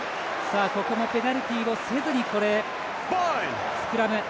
ここもペナルティーせずにスクラム。